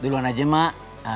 duluane aja mak